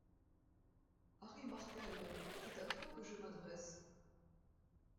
Harry Markel, c’est à toi que je m’adresse.